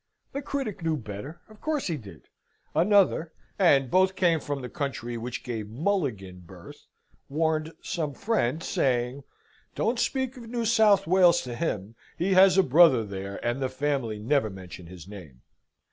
The critic knew better: of course he did. Another (and both came from the country which gave MULLIGAN birth) warned some friend, saying, "Don't speak of New South Wales to him. He has a brother there, and the family never mention his name."